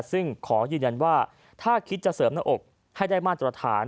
ซึ่งขอยืนยันว่าถ้าคิดจะเสริมหน้าอกให้ได้มาตรฐาน